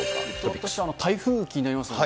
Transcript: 私は台風、気になりますね。